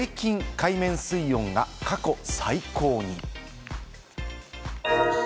海面水温が過去最高に。